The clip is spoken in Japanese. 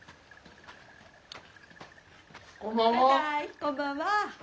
こんばんは。